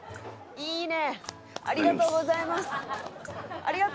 「いいね！」